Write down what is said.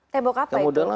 tembok apa itu